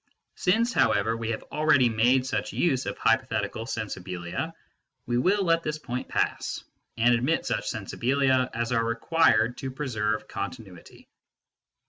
Since, how ever, we have already made such use of hypothetical " sensibilia," we will let this point pass, and admit such " sensibilia," as are required to preserve continuity.